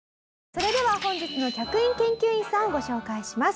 それでは本日の客員研究員さんをご紹介します。